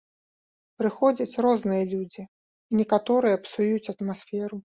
Прыходзяць розныя людзі, і некаторыя псуюць атмасферу.